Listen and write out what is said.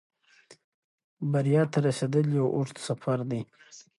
بریا ته رسېدل یو اوږد سفر دی.